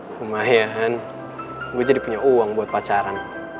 lumayan gue jadi punya uang buat pacaran